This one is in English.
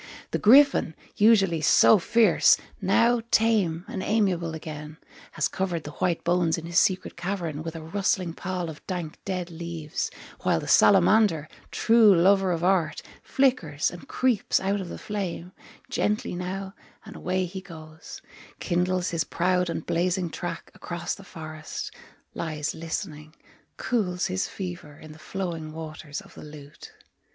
The griffin, usually so fierce, Now tame and amiable again, Has covered the white bones in his secret cavern With a rustling pall of dank dead leaves, While the salamander, true lover of art, Flickers, and creeps out of the flame; Gently now, and away he goes, Kindles his proud and blazing track Across the forest, Lies listening, Cools his fever in the flowing waters of the lute.